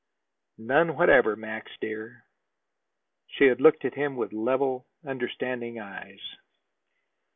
"None whatever, Max dear." She had looked at him with level, understanding eyes.